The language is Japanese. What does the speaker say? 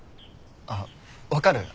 あっ分かる？